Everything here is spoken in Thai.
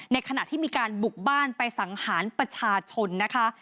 ขณะที่มีการบุกบ้านไปสังหารประชาชนนะคะ